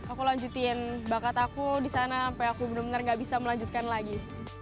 aku lanjutin bakat aku di sana sampai aku benar benar gak bisa melanjutkan lagi